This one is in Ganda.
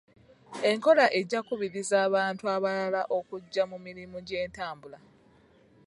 Enkola ejja kukubiriza abantu abalala okujja mu mirimu gy'entambula.